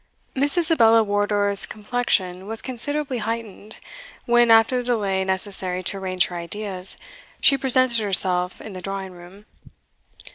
Miss Isabella Wardour's complexion was considerably heightened, when, after the delay necessary to arrange her ideas, she presented herself in the drawing room.